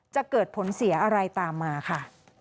จะเกิดผลเสียอะไรตามมาค่ะ